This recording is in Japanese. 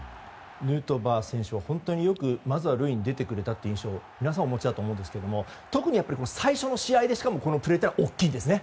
ヌートバー選手は本当によく、まずは塁に出てくれたという印象を皆さん、お持ちだと思うんですが特に最初の試合でしかもこれが大きいんですね。